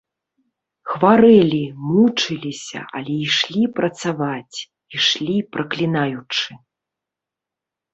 Хварэлі, мучыліся, але ішлі працаваць, ішлі праклінаючы.